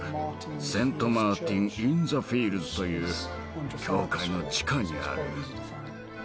セント・マーチン・イン・ザ・フィールズという教会の地下にある。